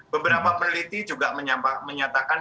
beberapa peneliti juga menyampaikan